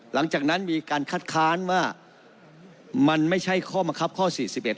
หลังจากนั้นมีการคัดค้านว่ามันไม่ใช่ข้อมะครับข้อสี่สิบเอ็ด